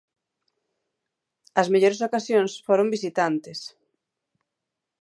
As mellores ocasións foron visitantes.